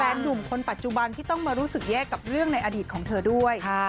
หนุ่มคนปัจจุบันที่ต้องมารู้สึกแยกกับเรื่องในอดีตของเธอด้วย